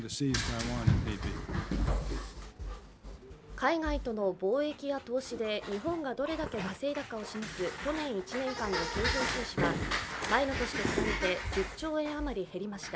海外との貿易や投資で日本がどれだけ稼いだかを示す去年１年間の経常収支は前の年と比べて１０兆円あまり減りました。